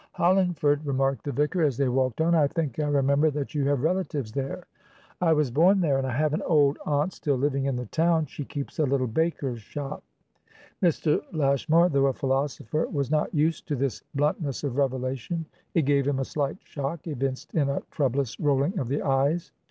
"Hollingford?" remarked the vicar, as they walked on. "I think I remember that you have relatives there." "I was born there, and I have an old aunt still living in the townshe keeps a little baker's shop." Mr. Lashmar, though a philosopher, was not used to this bluntness of revelation; it gave him a slight shock, evinced in a troublous rolling of the eyes.